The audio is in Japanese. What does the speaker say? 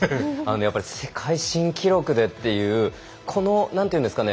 やっぱり世界新記録でというこの何というんですかね。